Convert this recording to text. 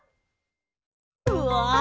うわ！